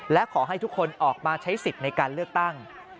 และขอให้ทุกคนออกมาใช้สิทธิ์ในการเลือกตั้ง